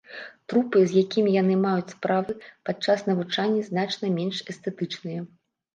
Трупы, з якімі яны маюць справы падчас навучання, значна менш эстэтычныя.